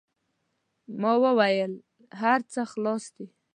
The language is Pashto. ما و ویل: هر څه خلاص دي.